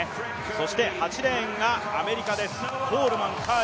そして８レーンがアメリカです。